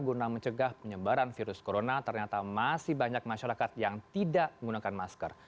guna mencegah penyebaran virus corona ternyata masih banyak masyarakat yang tidak menggunakan masker